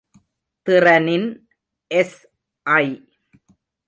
திறனின் எஸ்.ஐ.